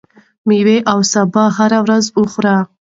ميوې او سابه هره ورځ وخورئ.